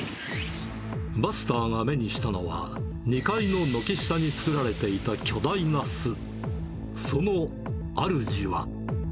バスターが目にしたのは、２階の軒下に作られていた巨大な巣。